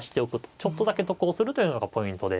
ちょっとだけ得をするというのがポイントで。